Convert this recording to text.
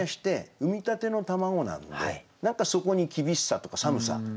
産みたての卵なので何かそこに厳しさとか寒さ